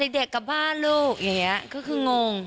เด็กกลับบ้านลูกอย่างนี้ก็คืองง